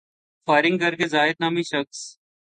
firing کر کے زاہد نامی شخص